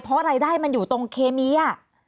เพราะรายได้มันอยู่ตรงเคมีอ่ะ